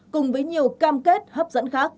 cùng với nhiều cam kết hấp dẫn khác